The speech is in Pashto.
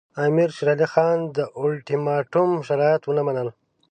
امیر شېر علي خان د اولټیماټوم شرایط ونه منل.